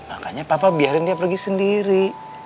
makanya papa biarin dia pergi sendiri